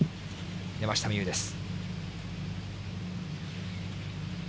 山下美夢有です。